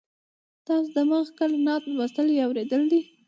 تاسو د مخه کله نعت لوستلی یا اورېدلی دی.